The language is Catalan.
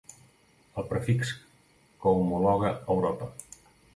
El prefix que homologa Europa.